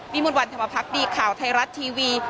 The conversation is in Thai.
มนต์วันธรรมพักดีข่าวไทยรัฐทีวี